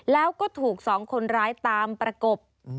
แล้วก็ถูก๒คนร้ายตามประกบ